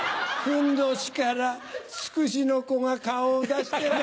ふんどしからつくしの子が顔を出して。